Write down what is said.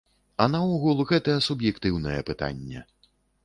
А наогул, гэта суб'ектыўнае пытанне.